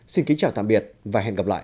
xin kính chào tạm biệt và hẹn gặp lại